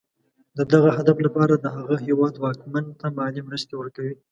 د دغه هدف لپاره د هغه هېواد واکمن ته مالي مرستې ورکوي.